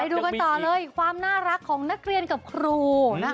ดูกันต่อเลยความน่ารักของนักเรียนกับครูนะคะ